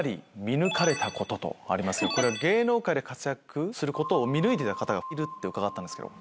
これは芸能界で活躍することを見抜いてた方がいるって伺ったんですけど。